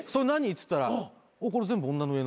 っつったらこれ全部女の家の。